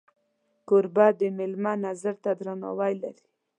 کوربه د میلمه نظر ته درناوی لري.